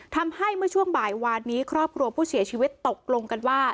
ทำให้เมื่อช่วงบ่ายวานนี้ครอบครัวผู้เสียชีวิตตกลงกันว่า